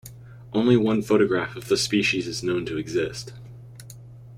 Only one photograph of the species is known to exist.